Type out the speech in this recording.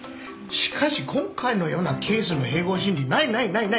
しかし今回のようなケースの併合審理ないないないない。